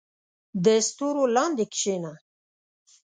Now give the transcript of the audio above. • د ستورو لاندې کښېنه.